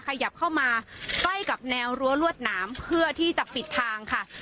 ขยับเข้ามาใกล้กับแนวรั้วรวดหนามเพื่อที่จะปิดทางค่ะ